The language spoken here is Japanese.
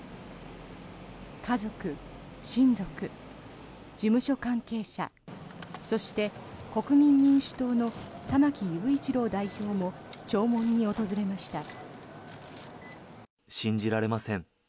家族、親族、事務所関係者そして国民民主党の玉木雄一郎代表も弔問に訪れました。